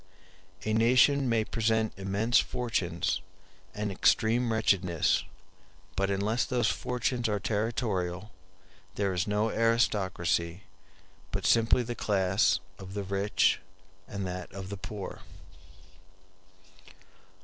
A nation may present immense fortunes and extreme wretchedness, but unless those fortunes are territorial there is no aristocracy, but simply the class of the rich and that of the poor.